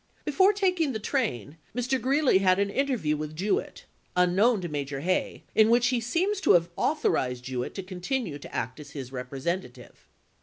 Before taking the train Mr. Greeley had an interview with Jewett, unknown to Major Hay, in which he seems to have authorized Jewett to continue to act as his representative.